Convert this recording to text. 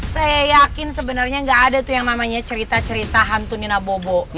saya yakin sebenarnya nggak ada tuh yang namanya cerita cerita hantu nina bobo